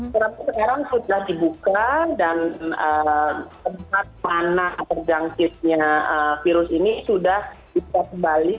tetapi sekarang sudah dibuka dan tempat mana terjangkitnya virus ini sudah bisa kembali